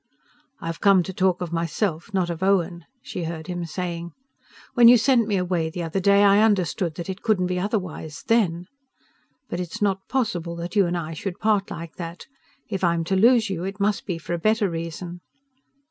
"I've come to talk of myself, not of Owen," she heard him saying. "When you sent me away the other day I understood that it couldn't be otherwise then. But it's not possible that you and I should part like that. If I'm to lose you, it must be for a better reason."